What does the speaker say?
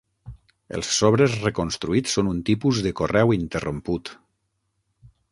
Els sobres reconstruïts són un tipus de correu interromput.